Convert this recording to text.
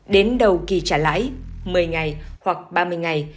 đến đầu kỳ trả lãi một mươi ngày hoặc ba mươi ngày